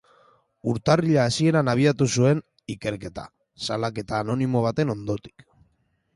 Urtarrila hasieran abiatu zuten ikerketa, salaketa anonimo baten ondotik.